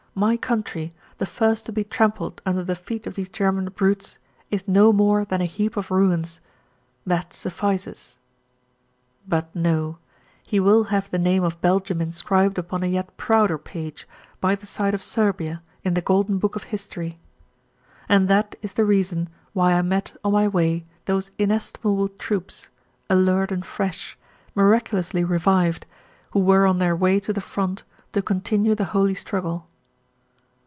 My country, the first to be trampled under the feet of these German brutes, is no more than a heap of ruins. That suffices." But no, he will have the name of Belgium inscribed upon a yet prouder page, by the side of Serbia, in the golden book of history. And that is the reason why I met on my way those inestimable troops, alert and fresh, miraculously revived, who were on their way to the front to continue the holy struggle.